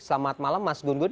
selamat malam mas gun gun